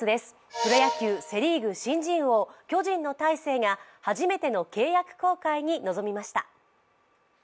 プロ野球、セ・リーグ新人王巨人の大勢が初めての契約更改に臨みました。